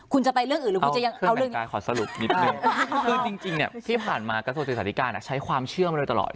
คุณจะไปเรื่องอื่นหรือคุณจะยังเอาเรื่องนี้ขอสรุปนิดนึงคือจริงเนี่ยที่ผ่านมากระทรวงศึกษาธิการใช้ความเชื่อมาโดยตลอด